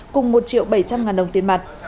cùng một triệu bảy trăm linh ngàn đồng tiền mặt